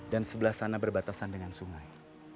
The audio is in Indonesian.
dan di sana ada batasan dengan sungai